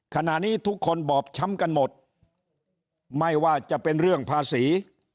ขณะนี้ทุกคนบอบช้ำกันหมดไม่ว่าจะเป็นเรื่องภาษี